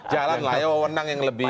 jalan layawawenang yang lebih